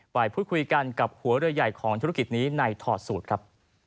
ไปพูดคุยกันกับหัวเรือใหญ่ของธุรกิจนี้ในถอดสูตรครับ